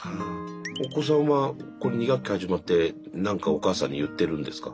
お子さんはこの２学期始まって何かお母さんに言ってるんですか？